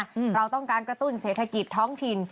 เราต้องการกระตุ้นเศรษฐกิจท้องถิ่น